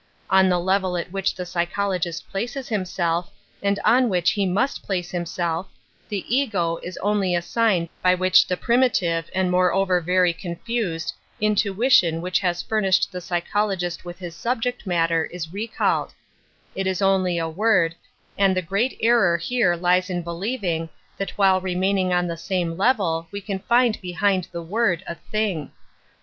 On the level at which the psychologist places himself, and on which he must place himself, the "ego only a sign by which the primitive, 1 they 1 Metaphysics 3' moreover very confused, intuition which has furnished the psychologist with his subject matter is recalled ; it is only a word, and the great error here lies in believing that while remaining on the same level we can find behind the word a thing.